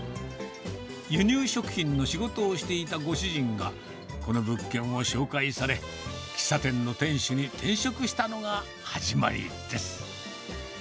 輸入食品の仕事をしていたご主人が、この物件を紹介され、喫茶店の店主に転職したのが始まりです。